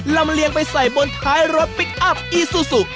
ลำเลียงไปใส่บนท้ายรถพลิกอัพอีซูซู